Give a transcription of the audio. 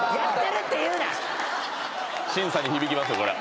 審査に響きますねこれ。